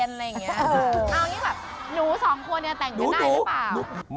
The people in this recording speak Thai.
เอาอย่างนี้แบบหนูสองคนเนี่ยแต่งกันได้หรือเปล่า